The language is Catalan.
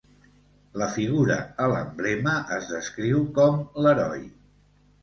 La figura a l'emblema es descriu com l'"Heroi".